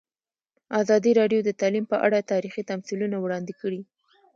ازادي راډیو د تعلیم په اړه تاریخي تمثیلونه وړاندې کړي.